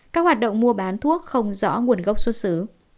các hoạt động mua bán thuốc không rõ nguồn gốc xuất xứ